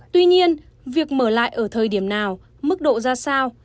tuy nhiên việc mở lại ở thời điểm nào mức độ ra sao